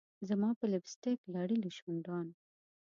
زما په لپ سټک لړلي شونډان